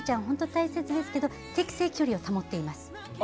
本当に大切なんですけど適正距離を保っています。